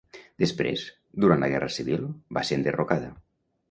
Després, durant la Guerra Civil, va ser enderrocada.